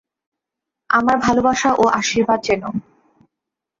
আমার ভালবাসা ও আশীর্বাদ জেনো।